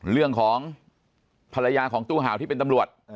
เรื่องของภรรยาของตู้ห่าวที่เป็นตำรวจ